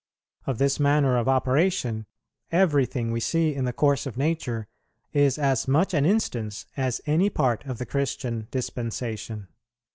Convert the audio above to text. Of this manner of operation, everything we see in the course of nature is as much an instance as any part of the Christian dispensation."